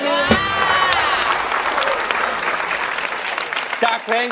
เพื่อนรักไดเกิร์ต